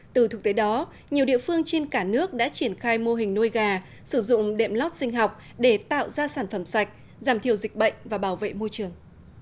từ thực tế đó nhiều địa phương trên cả nước đã triển khai mô hình nuôi gà sử dụng đệm lót sinh học để tạo ra sản phẩm sạch giảm thiểu dịch bệnh và bảo vệ môi trường